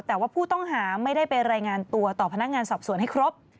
แต่ว่าผู้ต้องหาไม่ได้ไปรายงานตัวต่อพนักงานสอบสวนให้ครบ